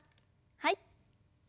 はい。